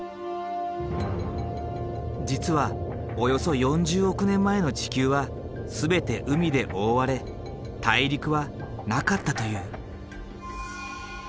実はおよそ４０億年前の地球は全て海で覆われ大陸はなかったという。